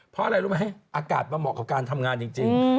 เพราะอะไรรู้ไหมอากาศมันเหมาะกับการทำงานจริง